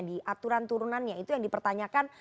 di aturan turunannya itu yang dipertanyakan